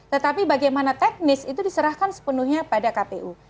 tetapi bagaimana teknis itu diserahkan sepenuhnya pada kpu